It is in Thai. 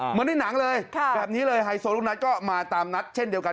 เหมือนในหนังเลยแบบนี้เลยไฮโซลูกนัทก็มาตามนัดเช่นเดียวกัน